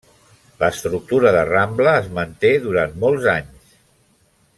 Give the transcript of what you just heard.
L'estructura de Rambla es manté durant molts d'anys.